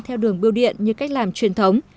theo đường biêu điện như cách làm truyền thống